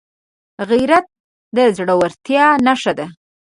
غیرت د زړورتیا نښه ده